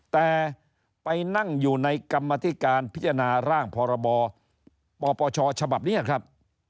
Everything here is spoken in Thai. แต่ไปนั่งอยู่ในกรรมธิการพิจารณาร่างพรบปปชฉบับนี้ครับ